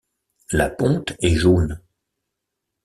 La ponte est jaune.